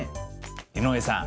井上さん